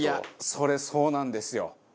それそうなんですよ。